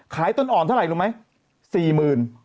ต้นอ่อนเท่าไหร่รู้ไหม